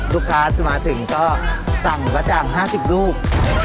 ลูกค้าจะมาถึงก็สั่งกระจ่าง๕๐ลูก